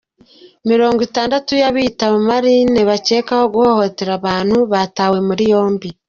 Mirongo itandatu biyitaga abamarine bakekwaho guhohotera abantu batawe muri yombi